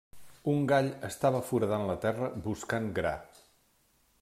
Un gall estava foradant la terra buscant gra.